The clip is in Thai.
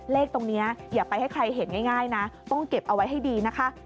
เลขตรงนี้อย่าไปให้ใครเห็นง่ายนะต้องเก็บเอาไว้ให้ดีนะคะ